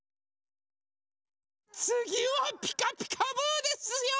つぎは「ピカピカブ！」ですよ。